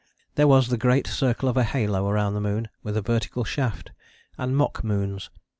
There was the great circle of a halo round the moon with a vertical shaft, and mock moons.